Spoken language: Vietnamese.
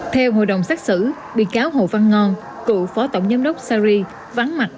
theo hội đồng xét xử bị cáo hồ văn ngon cựu phó tổng giám đốc sài gòn vắng mặt